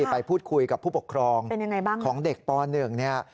ไปพูดคุยกับผู้ปกครองเป็นยังไงบ้างของเด็กป๑เนี่ย